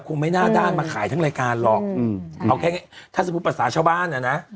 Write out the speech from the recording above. คงไม่น่าด้านมาขายทั้งรายการหรอกเอาแค่ถ้าสมมุติประสาทชาวบ้านนะ